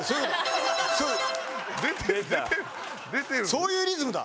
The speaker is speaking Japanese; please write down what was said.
そういうリズムだ。